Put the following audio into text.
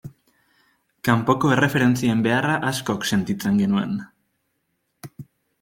Kanpoko erreferentzien beharra askok sentitzen genuen.